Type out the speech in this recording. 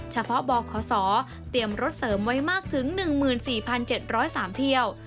เฉพาะบขเตรียมรถเสริมไว้มากถึง๑๔๗๐๓เที่ยว